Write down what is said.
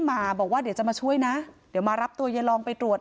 มาบอกว่าเดี๋ยวจะมาช่วยนะเดี๋ยวมารับตัวยายลองไปตรวจ